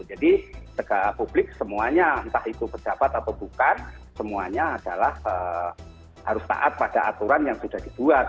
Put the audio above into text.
jadi segala publik semuanya entah itu pejabat atau bukan semuanya adalah harus taat pada aturan yang sudah dibuat